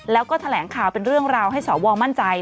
แล้วก็แถลงข่าวเป็นเรื่องราวให้สวมั่นใจ